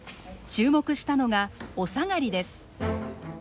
注目したのがおさがりです。